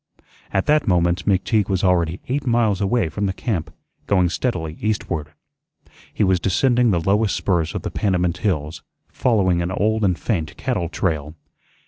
At that moment McTeague was already eight miles away from the camp, going steadily eastward. He was descending the lowest spurs of the Panamint hills, following an old and faint cattle trail.